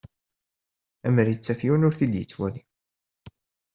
Amer ittaf yiwen ur t-id-yettwali